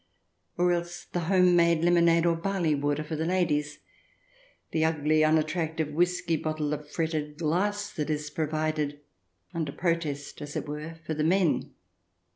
Or else the home made lemonade or barley water for the ladies ; the ugly, unattractive whisky bottle of fretted glass that is provided, under protest as it were, for the men